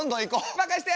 任して！